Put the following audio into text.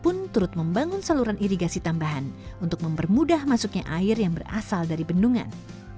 pun turut membangun saluran irigasi tambahan untuk mempermudah masuknya air yang berasal dari bendungan